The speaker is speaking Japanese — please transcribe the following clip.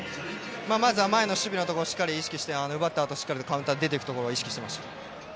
まずは前の守備のところをしっかりと意識して、奪ったあとしっかりとカウンターで出ていくところ、意識していました。